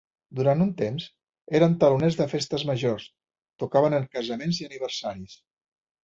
Durant un temps, eren taloners de festes majors, tocaven en casaments i aniversaris.